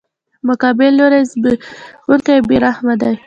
مقابل لوری ځپونکی او بې رحمه دی.